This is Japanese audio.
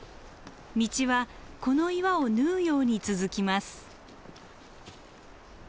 道はこの岩を縫うように続きます。